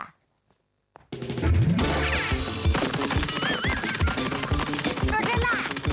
โดดดี้ล่ะ